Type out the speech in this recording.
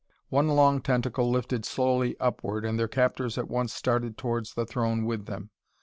One long tentacle lifted slowly upward, and their captors at once started towards the throne with them.